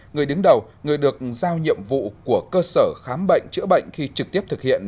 người đứng đầu người được giao nhiệm vụ của cơ sở khám bệnh chữa bệnh khi trực tiếp thực hiện